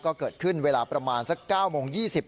ก็เกิดขึ้นเวลาประมาณสัก๙โมง๒๐